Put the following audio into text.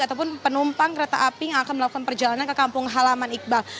ataupun penumpang kereta api yang akan melakukan perjalanan ke kampung halaman iqbal